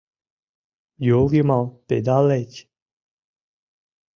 Йол йымал педа леч!